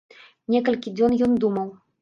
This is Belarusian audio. Некалькі дзён ён думаў.